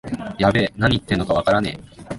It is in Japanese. やべえ、なに言ってんのかわからねえ